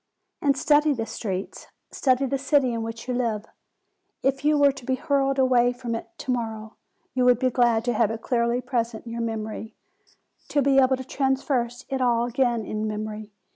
And study the streets; study the city in which you live. If you were to be hurled far away from it to morrow, you would be glad to have it clearly present in your memory, to be able to traverse it all again in memory.